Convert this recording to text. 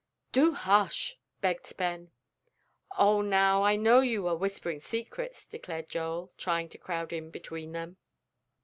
"Do hush!" begged Ben. "Oh, now, I know you are whispering secrets," declared Joel, trying to crowd in between them.